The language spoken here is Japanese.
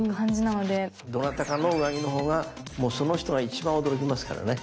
どなたかの上着の方がもうその人が一番驚きますからね。